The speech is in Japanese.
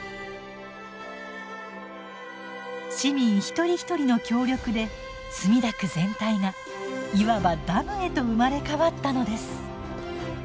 市民一人一人の協力で墨田区全体がいわばダムへと生まれ変わったのです。